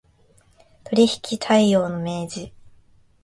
取引態様の明示